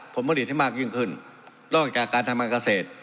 ผลผลิตให้มากยิ่งขึ้นนอกจากการทำการเกษตร